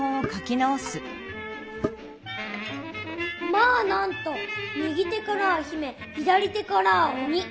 「まあなんと右手からは姫左手からはおに」。